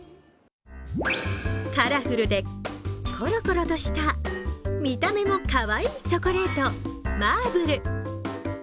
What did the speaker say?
カラフルでコロコロとした見た目もかわいいチョコレート、マーブル。